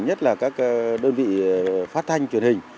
nhất là các đơn vị phát thanh truyền hình